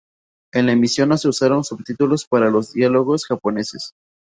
En la emisión no se usaron subtítulos para los diálogos japoneses.